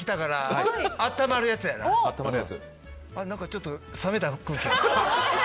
ちょっと冷めた空気。